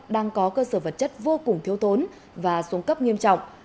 đang có cơ sở vật chất vô cùng thiếu thốn và xuống cấp nghiêm trọng